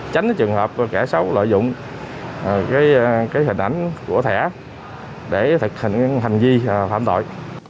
tránh trường hợp kẻ xấu lợi dụng hình ảnh của thẻ để thực hành hành vi phạm tội